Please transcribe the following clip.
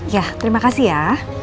iya terima kasih ya